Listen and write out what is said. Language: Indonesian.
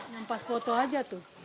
nampas foto aja tuh